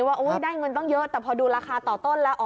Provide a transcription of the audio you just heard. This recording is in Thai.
ว่าได้เงินตั้งเยอะแต่พอดูราคาต่อต้นแล้ว